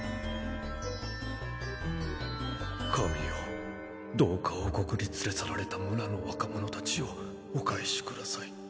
神よどうか王国に連れ去られた村の若者たちをお返しください。